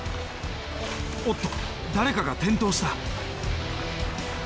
おっと誰かが転倒した。